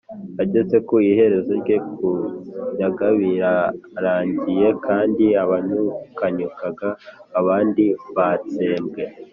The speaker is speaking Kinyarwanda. ageze ku iherezo rye kunyaga birarangiye kandi abanyukanyukaga abandi batsembwe